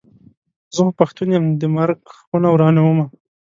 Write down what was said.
زه خو پښتون یم د مرک خونه ورانومه.